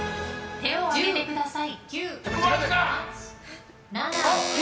手を上げてください。